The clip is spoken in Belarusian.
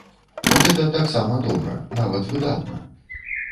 Гэта таксама добра, нават выдатна!